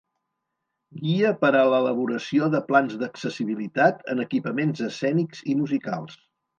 Guia per a l'elaboració de plans d'accessibilitat en equipaments escènics i musicals.